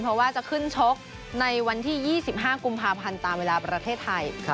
เพราะว่าจะขึ้นชกในวันที่๒๕กุมภาพันธ์ตามเวลาประเทศไทย